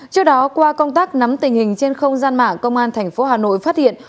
trước đó qua công tác nắm tình hình trên không gian mạng công an tp hà nội phát hiện